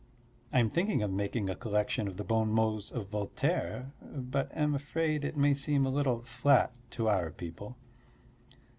I am thinking of making a collection of the bon mots of Voltaire, but am afraid it may seem a little flat to our people.